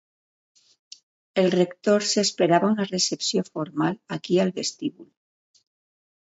El rector s'esperava una recepció formal aquí al vestíbul.